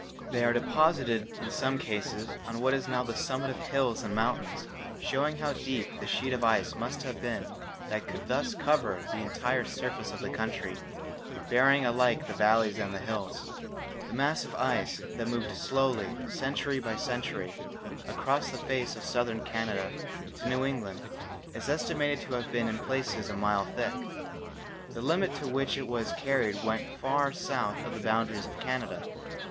They are deposited in some cases on what is now the summit of hills and mountains, showing how deep the sheet of ice must have been that could thus cover the entire surface of the country, burying alike the valleys and the hills. The mass of ice that moved slowly, century by century, across the face of Southern Canada to New England is estimated to have been in places a mile thick. The limit to which it was carried went far south of the boundaries of Canada.